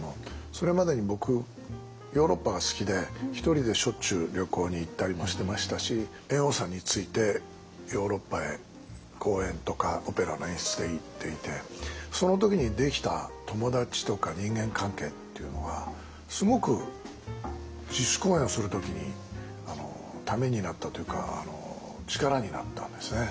それまでに僕ヨーロッパが好きで一人でしょっちゅう旅行に行ったりもしてましたし猿翁さんについてヨーロッパへ公演とかオペラの演出で行っていてその時にできた友達とか人間関係っていうのはすごく自主公演をする時にためになったというか力になったんですね。